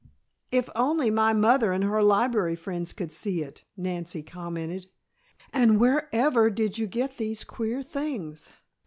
"If only my mother and her library friends could see it," Nancy commented. "And where ever did you get these queer things?